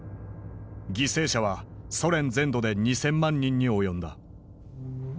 犠牲者はソ連全土で２，０００万人に及んだ。